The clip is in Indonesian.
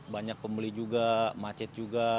banyak pembeli juga macet juga